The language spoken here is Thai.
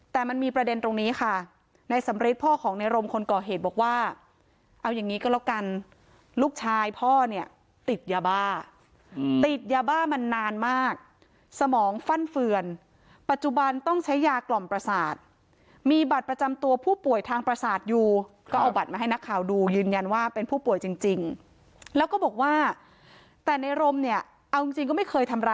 แต่มันมีประเด็นตรงนี้ค่ะในสำริทพ่อของในรมคนก่อเหตุบอกว่าเอาอย่างนี้ก็แล้วกันลูกชายพ่อเนี่ยติดยาบ้าติดยาบ้ามานานมากสมองฟั่นเฟือนปัจจุบันต้องใช้ยากล่อมประสาทมีบัตรประจำตัวผู้ป่วยทางประสาทอยู่ก็เอาบัตรมาให้นักข่าวดูยืนยันว่าเป็นผู้ป่วยจริงแล้วก็บอกว่าแต่ในรมเนี่ยเอาจริงก็ไม่เคยทำร